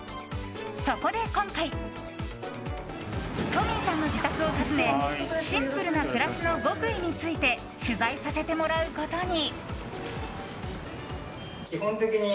そこで今回Ｔｏｍｍｙさんの自宅を訪ねシンプルな暮らしの極意について取材させてもらうことに。